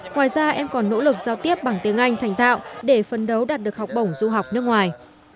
ngoài ra em còn nỗ lực giao tiếp bằng tiếng anh thành tạo để phân đấu đạt được học bổng du học nước ngoài